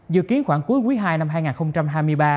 dự kiến khoảng cuối quý ii năm hai nghìn hai mươi ba